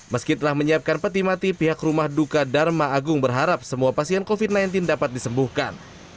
meski telah menyiapkan peti mati pihak rumah duka dharma agung berharap semua pasien covid sembilan belas dapat disembuhkan